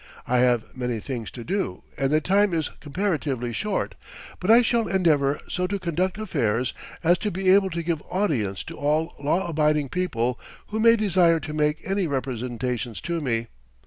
I have many things to do and the time is comparatively short, but I shall endeavour so to conduct affairs as to be able to give audience to all law abiding people who may desire to make any representations to me.